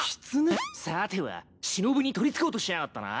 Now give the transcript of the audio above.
さてはしのぶに取りつこうとしやがったな。